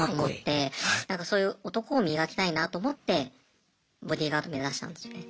なんかそういう男を磨きたいなと思ってボディーガード目指したんですよね。